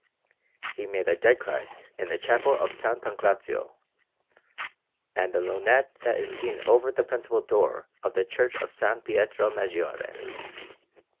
He made a Dead Christ in a chapel in S. Pancrazio, and the lunette that is seen over the principal door of the Church of S. Pietro Maggiore.